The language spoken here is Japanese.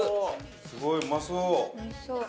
すごいうまそう。